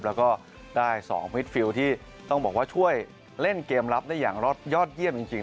แล้วก็ได้๒ฟิตฟิลที่ต้องบอกว่าช่วยเล่นเกมรับได้อย่างยอดเยี่ยมจริง